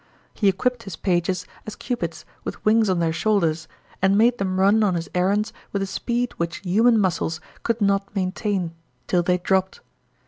He equipped his pages as Cupids, with wings on their shoulders, and made them run on his errands with a speed which human muscles could not maintain, till they dropped.